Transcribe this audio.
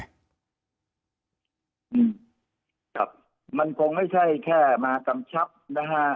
อืมครับมันคงไม่ใช่แค่มากำชับนะฮะ